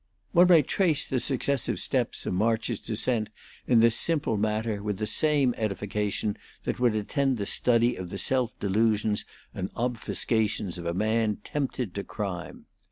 One may trace the successive steps of March's descent in this simple matter with the same edification that would attend the study of the self delusions and obfuscations of a man tempted to crime.